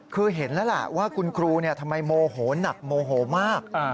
คือเห็นแล้วล่ะว่าคุณครูทำไมโมโหนักมาก